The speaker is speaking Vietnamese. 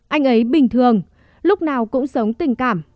anh ấy bình thường lúc nào cũng sống tình cảm